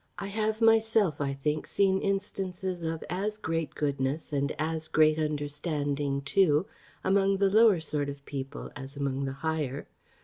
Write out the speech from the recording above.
I have myself, I think, seen instances of as great goodness, and as great understanding too, among the lower sort of people as among the higher.